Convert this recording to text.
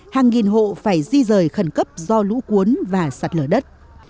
hàng nghìn hộ phải di rời khẩn cấp do lũ cuốn và sạt lở đất